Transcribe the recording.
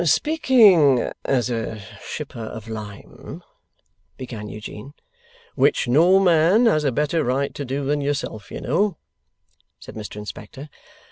'Speaking as a shipper of lime ' began Eugene. 'Which no man has a better right to do than yourself, you know,' said Mr Inspector.